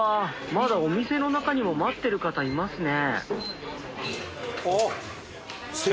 まだお店の中にも待ってる方いますね。